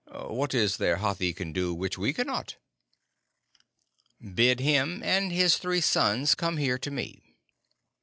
What is there Hathi can do which we cannot?" "Bid him and his three sons come here to me."